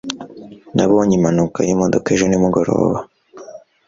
nabonye impanuka y'imodoka ejo nimugoroba